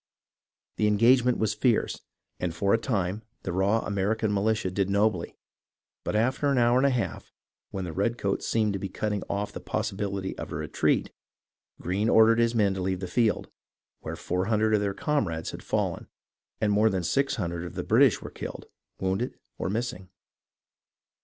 The engagement was fierce, and for a time the raw American militia did nobly, but after an hour and a half, when the redcoats seemed to be cutting off the possibility of a retreat, Greene ordered his men to leave the field, where 400 of their comrades had fallen and more than 600 of the British were killed, wounded, or missing.